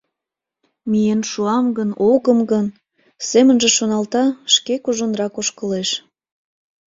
«Миен шуам гын, огым гын?» — семынже шоналта, шке кужунрак ошкылеш.